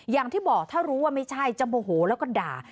อย่างที่บอกถ้ารู้ว่าไม่ใช่จะโมโหแล้วก็ด่า